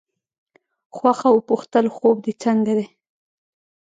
خوښه وپوښتل خوب دې څنګه دی.